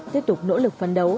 tiếp tục nỗ lực phấn đấu